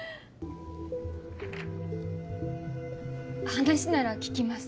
話なら聞きます。